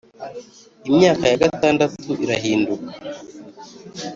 imyaka ya gatandatu irahinduka